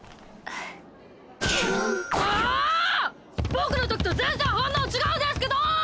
僕のときと全然反応違うんですけど！